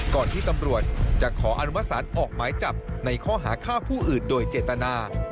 ก่อนที่ตำรวจจะขออนุมสารออกหมายจับในข้อหาฆ่าผู้อื่นโดยเจตนา